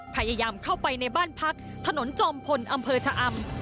พยายามเข้าไปในบ้านพักถนนจอมพลอำเภอชะอำ